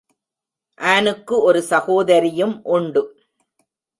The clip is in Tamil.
ஆனுக்கு ஒரு சோதரியும் உண்டு.